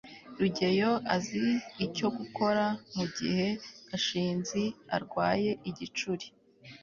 rugeyo azi icyo gukora mugihe gashinzi arwaye igicuri